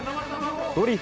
ドリフ